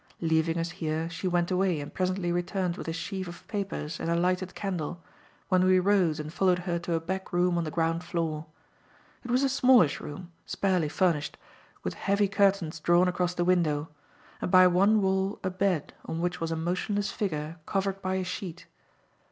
Leaving us here, she went away and presently returned with a sheaf of papers and a lighted candle, when we rose and followed her to a back room on the ground floor. It was a smallish room, sparely furnished, with heavy curtains drawn across the window, and by one wall a bed, on which was a motionless figure covered by a sheet.